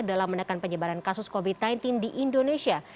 dalam menekan penyebaran kasus covid sembilan belas di indonesia